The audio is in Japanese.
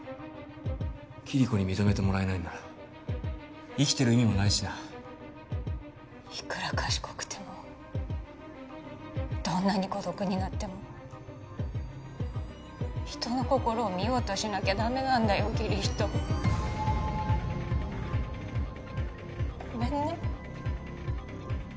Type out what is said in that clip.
キリコに認めてもらえないんなら生きてる意味もないしないくら賢くてもどんなに孤独になっても人の心を見ようとしなきゃダメなんだよキリヒトごめんね